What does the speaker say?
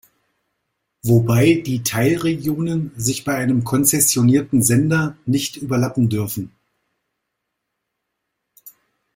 Wobei die Teilregionen sich bei einem konzessionierten Sender nicht überlappen dürfen.